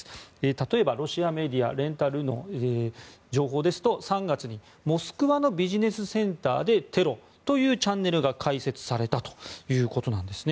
例えばロシアメディアレンタ・ルの情報ですと３月に、モスクワのビジネスセンターでテロというチャンネルが開設されたということなんですね。